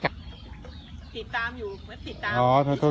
จับติดตามอยู่ติดตามอ๋อต้องเป็นไม่ได้อ่านก็เลย